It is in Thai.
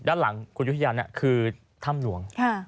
ด้านหลังคุณยุทธอยานนั้นคือถ้ำหลวง